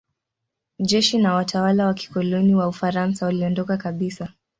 Jeshi na watawala wa kikoloni wa Ufaransa waliondoka kabisa.